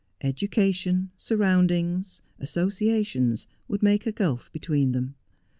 Education, surroundings, associations, would make a gulf between them.